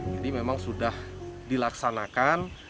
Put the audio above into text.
jadi memang sudah dilaksanakan